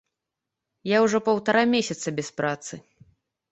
Я ужо паўтара месяца без працы.